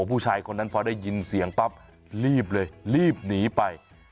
ผู้ชายคนนั้นพอได้ยินเสียงปั๊บรีบเลยรีบหนีไป